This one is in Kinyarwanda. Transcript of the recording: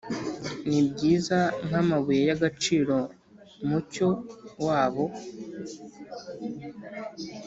nibyiza nkamabuye y'agaciro mu mucyo wabo,